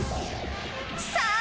さあ